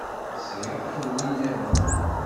Sriɣ taduli niḍen.